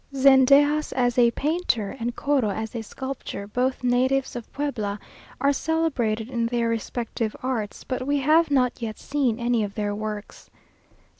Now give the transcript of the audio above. Zendejas as a painter, and Coro as a sculptor, both natives of Puebla, are celebrated in their respective arts, but we have not yet seen any of their works.